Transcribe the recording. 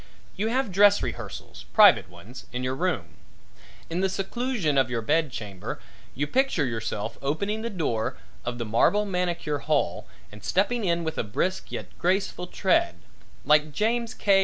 You have dress rehearsals private ones in your room. In the seclusion of your bed chamber you picture yourself opening the door of the marble manicure hall and stepping in with a brisk yet graceful tread like James K.